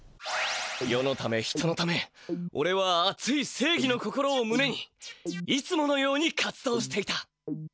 世のため人のためおれはあついせいぎの心をむねにいつものように活動していた。